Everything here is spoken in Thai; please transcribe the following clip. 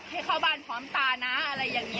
ให้เข้าบ้านพร้อมตานะอะไรอย่างนี้